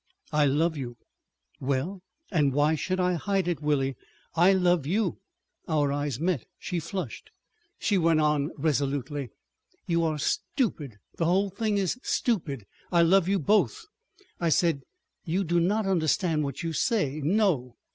_" "I love you." "Well, and why should I hide it Willie?—I love you. ..." Our eyes met. She flushed, she went on resolutely: "You are stupid. The whole thing is stupid. I love you both." I said, "You do not understand what you say. No!"